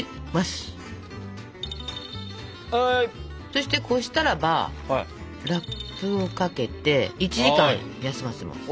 そしてこしたらばラップをかけて１時間休ませます。